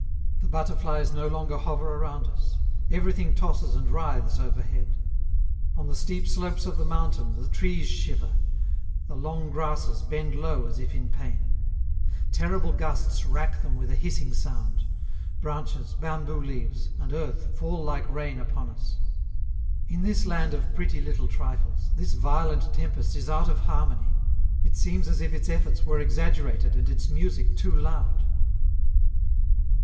The butterflies no longer hover around us; everything tosses and writhes overhead: on the steep slopes of the mountain the trees shiver, the long grasses bend low as if in pain; terrible gusts rack them with a hissing sound; branches, bamboo leaves, and earth fall like rain upon us. In this land of pretty little trifles, this violent tempest is out of harmony; it seems as if its efforts were exaggerated and its music too loud.